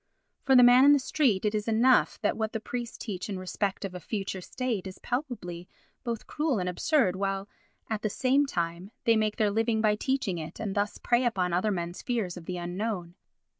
For the man in the street it is enough that what the priests teach in respect of a future state is palpably both cruel and absurd while, at the same time, they make their living by teaching it and thus prey upon other men's fears of the unknown.